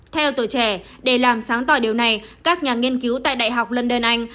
theo tổ trẻ để làm sáng tỏa điều này các nhà nghiên cứu tại đại học london anh